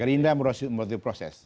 gerindra merupakan proses